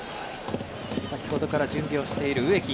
先ほどから準備をしている、植木。